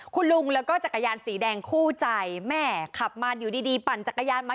คุณลุงแล้วก็จักรยานสีแดงคู่ใจแม่ขับมาอยู่ดีปั่นจักรยานมา